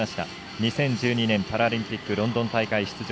２０１２年パラリンピックロンドン大会出場。